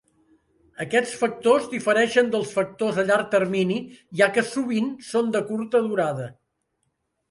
Aquests factors difereixen dels factors a llarg termini, ja que sovint són de curta durada.